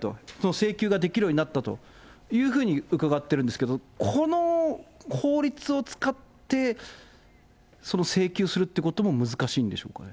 請求ができるようになったというふうに伺ってるんですけど、この法律を使って、請求するってことも難しいんでしょうかね。